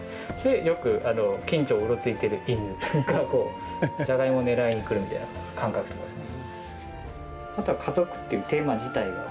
よく近所をうろついている犬がこう、じゃがいもをねらいに来るみたいな感覚とかですね。